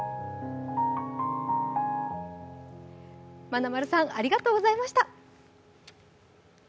まなまるさん、ありがとうございました。